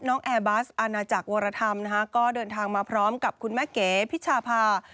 แอร์บัสอาณาจักรวรธรรมนะคะก็เดินทางมาพร้อมกับคุณแม่เก๋พิชาภา